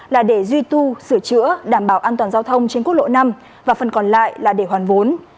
là để duy tu sửa chữa đảm bảo an toàn giao thông trên quốc lộ năm và phần còn lại là để hoàn vốn